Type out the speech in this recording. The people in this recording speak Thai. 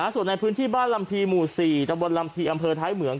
ส่วนในพื้นที่บ้านลำพีหมู่๔ตะบนลำพีอำเภอท้ายเหมือง